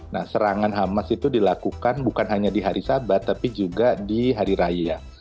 nah serangan hamas itu dilakukan bukan hanya di hari sahabat tapi juga di hari raya